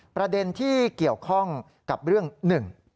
ประเด็นที่เกี่ยวข้องกับเรื่องหนึ่ง